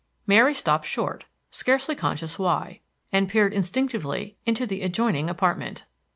Mary stopped short, scarcely conscious why, and peered instinctively into the adjoining apartment.